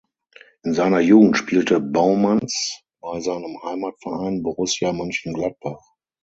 In seiner Jugend spielte Baumanns bei seinem Heimatverein Borussia Mönchengladbach.